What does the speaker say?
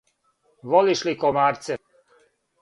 Волиш ли комарце?